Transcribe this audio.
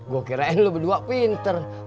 gue kirain lu berdua pinter